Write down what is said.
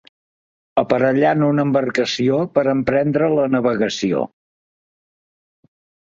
Aparellant una embarcació per emprendre la navegació.